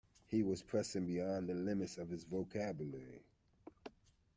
He was pressing beyond the limits of his vocabulary.